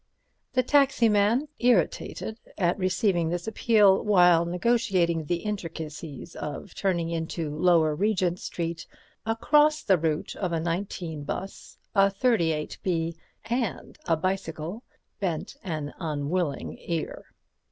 The taxi man, irritated at receiving this appeal while negotiating the intricacies of turning into Lower Regent Street across the route of a 19 'bus, a 38 B and a bicycle, bent an unwilling ear.